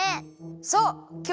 そう！